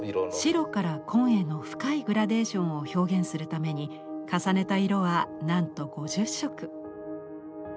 白から紺への深いグラデーションを表現するために重ねた色はなんと５０色。